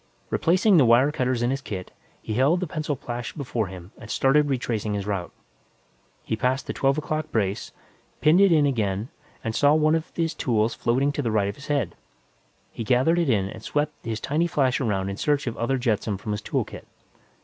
Replacing the wire cutters in his kit, he held the pencil flash before him and started retracing his route. He passed the twelve o'clock brace, pinned it in place again and saw one of his tools floating to the right of his head. He gathered it in and swept his tiny flash around in search of other jetsam from his tool kit.